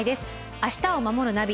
「明日をまもるナビ」